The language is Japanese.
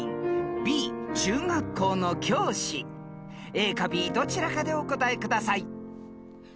［ＡかＢどちらかでお答えください］